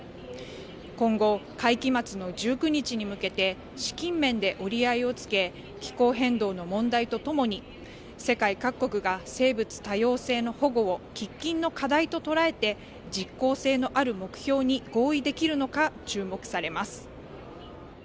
今後、会期末の１９日に向けて、資金面で折り合いをつけ、気候変動の問題とともに、世界各国が生物多様性の保護を喫緊の課題と捉えて、実効性のある目標に合意できるのか注目されます。